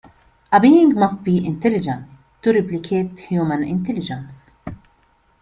A being must be intelligent, to replicate human intelligence.